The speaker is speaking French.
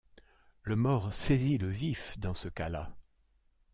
Le mort saisit le vif dans ce cas-là.